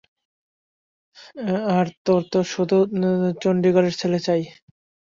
আর তোর তো শুধু চণ্ডিগরের ছেলে চাই।